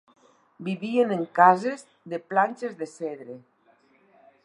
Vivien en cases de planxes de cedre.